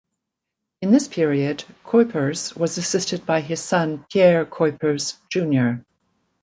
In this period Cuypers was assisted by his son Pierre Cuypers J.